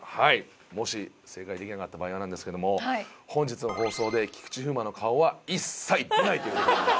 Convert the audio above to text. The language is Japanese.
もし正解できなかった場合なんですけども本日の放送で菊池風磨の顔は一切出ないということになります。